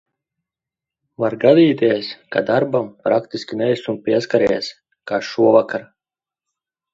Var gadīties, ka darbam praktiski neesmu pieskāries. Kā šovakar.